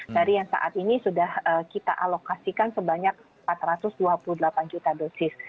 dari yang saat ini sudah kita alokasikan sebanyak empat ratus dua puluh delapan juta dosis